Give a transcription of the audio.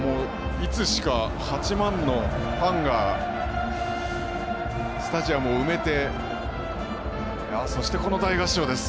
いつしか、８万のファンがスタジアムを埋めてそして、この大合唱です。